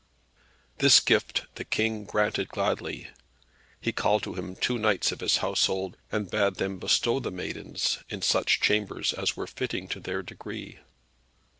This gift the King granted gladly. He called to him two knights of his household, and bade them bestow the maidens in such chambers as were fitting to their degree.